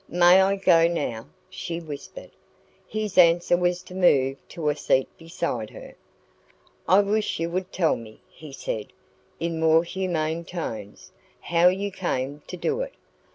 "May I go now?" she whispered. His answer was to move to a seat beside her. "I wish you would tell me," he said, in more humane tones, "how you came to do it.